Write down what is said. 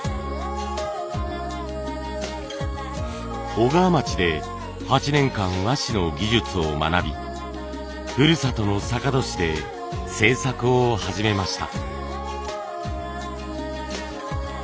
小川町で８年間和紙の技術を学びふるさとの坂戸市で制作を始めました。